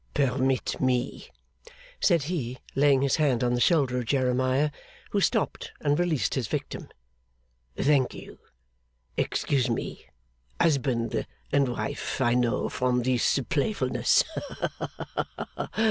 'Permit me,' said he, laying his hand on the shoulder of Jeremiah, who stopped and released his victim. 'Thank you. Excuse me. Husband and wife I know, from this playfulness. Haha!